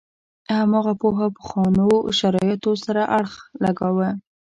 هماغه پوهه پخوانو شرایطو سره اړخ لګاوه.